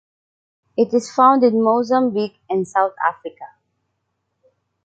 It is found in Mozambique and South Africa.